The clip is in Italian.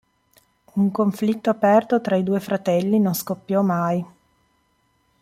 Un conflitto aperto tra i due fratelli non scoppiò mai.